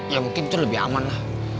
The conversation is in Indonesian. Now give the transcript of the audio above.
ya mungkin itu lebih aman lah